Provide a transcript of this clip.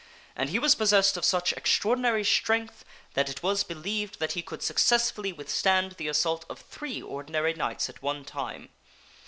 And he was possessed of such extraordinary strength that it was believed that he could successfully withstand the assault of three ordinary knights at one time.